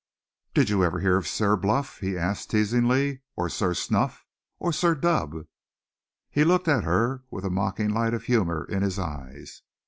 "Did you ever hear of Sir Bluff?" he asked teasingly, "or Sir Stuff? or Sir Dub?" He looked at her with a mocking light of humor in his eyes.